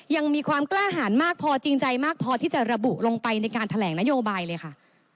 ยังมีความกล้าหารมากพอจริงใจมากพอที่จะระบุลงไปในการแถลงนโยบายเลยค่ะ